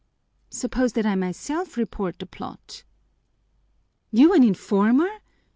"Suppose that I myself report the plot?" "You an informer!"